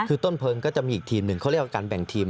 คือต้นเพลิงก็จะมีอีกทีมหนึ่งเขาเรียกว่าการแบ่งทีม